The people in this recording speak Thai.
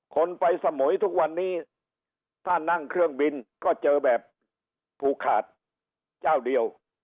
คนไปสมุยทุกวันนี้ถ้านั่งเครื่องบินก็เจอแบบผูกขาดเจ้าเดียว